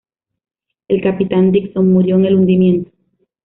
El capitán Dickson murió en el hundimiento.